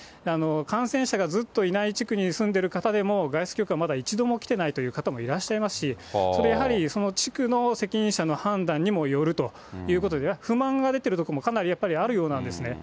感染者がずっといない地区に住んでる方でも、外出許可、まだ一度もきてないという方もいらっしゃいますし、それやはり、その地区の責任者の判断にもよるということで、不満が出てるとこもかなりやっぱりあるようなんですね。